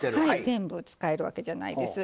全部使えるわけじゃないです。